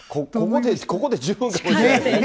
ここで十分かもしれないですね。